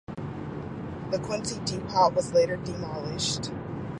The Quincy depot was later demolished.